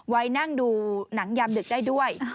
ไว้นั่งดูหนังยามดึกได้ด้วย